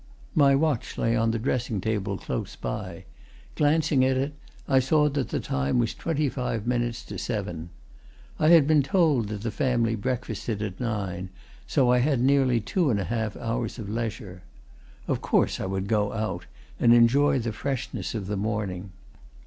My watch lay on the dressing table close by; glancing at it, I saw that the time was twenty five minutes to seven. I had been told that the family breakfasted at nine, so I had nearly two and a half hours of leisure. Of course, I would go out, and enjoy the freshness of the morning.